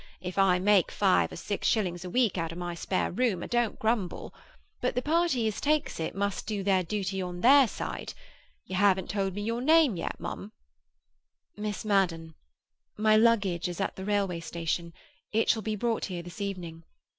If I make five or six shillings a week out of my spare room, I don't grumble. But the party as takes it must do their duty on their side. You haven't told me your name yet, mum." "Miss Madden. My luggage is at the railway station; it shall be brought here this evening.